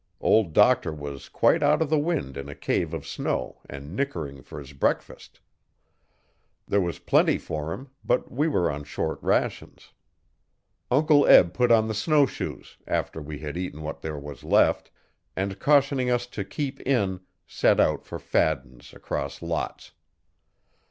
Old Doctor was quite out of the wind in a cave of snow and nickering for his breakfast. There was plenty for him, but we were on short rations. Uncle Eb put on the snow shoes, after we had eaten what there was left, and, cautioning us to keep in, set out for Fadden's across lots.